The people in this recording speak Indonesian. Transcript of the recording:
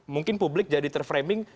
mungkin publik jadi terframing